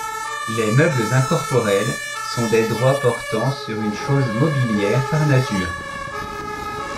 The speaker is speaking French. Les meubles incorporels sont les droits portant sur une chose mobilière par nature.